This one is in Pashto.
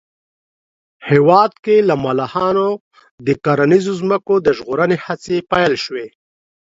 هېواد کې له ملخانو د کرنیزو ځمکو د ژغورنې هڅې پيل شوې